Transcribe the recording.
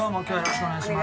お願いします。